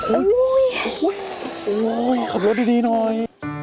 โอ้โหขับรถดีหน่อย